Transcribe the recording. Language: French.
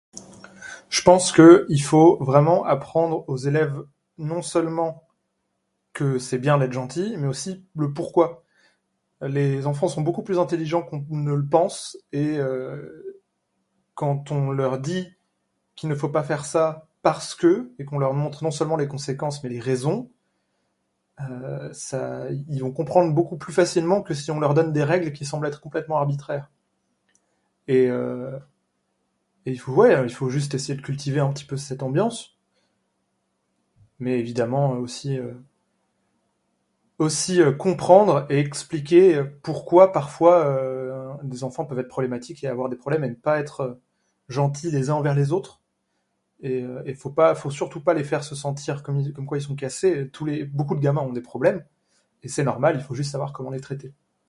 Je pense que... il faut vraiment apprendre aux élèves non seulement que c'est bien d'être gentil mais aussi le pourquoi. Les enfants sont beaucoup intelligents qu'on ne le pense et quand on leur dit qu'il ne faut pas faire ça parce que et qu'on leur montre non seulement les conséquences mais les raisons, ils vont comprendre beaucoup plus facilement que si on leur donne des règles qui semblent être complètement arbitraires. Et... ouais, il faut juste essayer de cultiver un petit peu cette ambiance. Mais évidemment aussi, aussi comprendre et expliquer pourquoi parfois les enfants peuvent être problématiques et avoir des problèmes et ne pas être gentils les uns envers les autres et il ne faut pas, il ne faut surtout pas les faire se sentir comme quoi ils sont cassés, beaucoup de gamins ont des problèmes, c'est normal, il faut juste savoir comment les traiter.